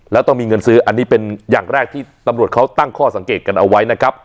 แล้วต้องมีเงินซื้ออันนี้เป็นอย่างแรกที่ตำรวจเขาตั้งข้อสังเกตกันเอาไว้นะครับ